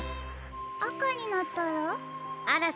あかになったら？